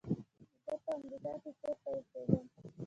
زه په امریکا کې چېرته اوسېږم.